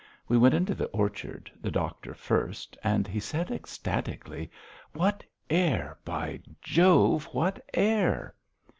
We went into the orchard, the doctor first, and he said ecstatically: "What air! By Jove, what air!"